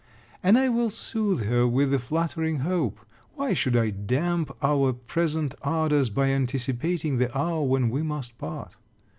And I will soothe her with the flattering hope. Why should I damp our present ardors, by anticipating the hour when we must part?